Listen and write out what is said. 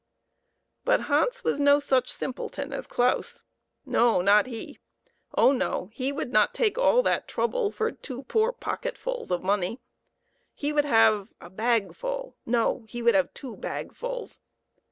But Hans was no such simpleton as Claus ; no, not he. Oh no, he would not take all that trouble for two poor pocketfuls of money. He would have a bagful ; no, he would have two bagfuls.